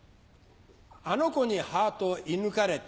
あの子にハート射抜かれた。